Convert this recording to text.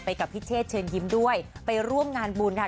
กับพี่เชษเชิญยิ้มด้วยไปร่วมงานบุญค่ะ